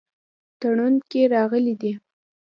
تړون کې راغلي دي.